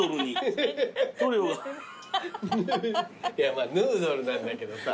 まあヌードルなんだけどさ。